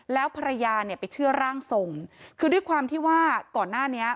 แล้วภรรยาเนี่ยไปเชื่อร่างทรงคือด้วยความที่ว่าก่อนหน้านี้